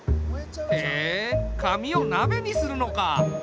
へえ紙をなべにするのか。